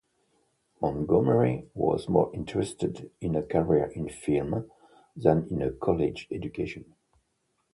Montgomery was more interested in a career in film than in a college education.